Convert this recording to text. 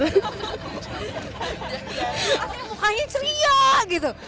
artinya mukanya ceria gitu